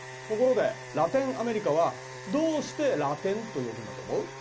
ところでラテンアメリカはどうしてラテンと呼ぶんだと思う？